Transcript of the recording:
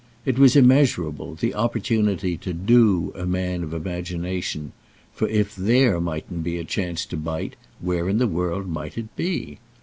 It was immeasurable, the opportunity to "do" a man of imagination, for if there mightn't be a chance to "bite," where in the world might it be?